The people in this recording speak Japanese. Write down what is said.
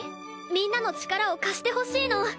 みんなの力を貸してほしいの。